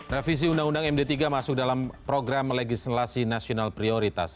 revisi undang undang md tiga masuk dalam program legislasi nasional prioritas